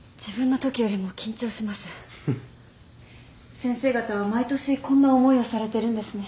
先生方は毎年こんな思いをされてるんですね。